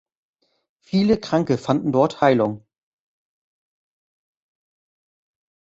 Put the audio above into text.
Viele Kranke fanden dort Heilung.